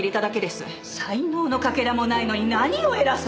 才能のかけらもないのに何を偉そうに！